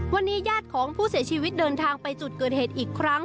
วันนี้ญาติของผู้เสียชีวิตเดินทางไปจุดเกิดเหตุอีกครั้ง